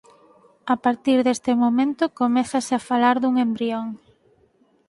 A partir deste momento comézase a falar dun embrión.